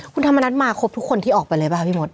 คุณธรรมนัฐมาครบทุกคนที่ออกไปเลยป่ะคะพี่มด